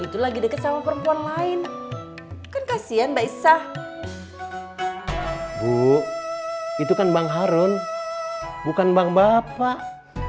itu lagi deket sama perempuan lain kan kasian mbak isa bu itu kan bang harun bukan bang bapak